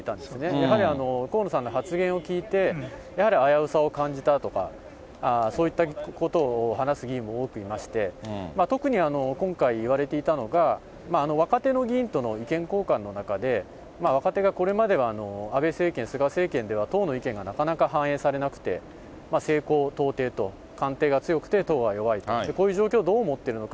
やはり河野さんの発言を聞いて、やはり危うさを感じたとか、そういったことを話す議員も多くいまして、特に今回いわれていたのが、若手の議員との意見交換の中で、若手がこれまでは安倍政権、菅政権では党の意見がなかなか反映されなくて、西高東低と官邸が強くて、党は弱いと、こういう状況をどう思ってるのか？